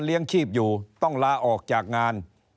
ชีพอยู่ต้องลาออกจากงาน